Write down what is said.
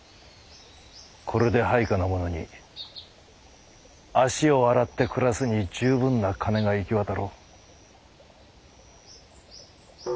これで配下の者に足を洗って暮らすに十分な金が行き渡ろう。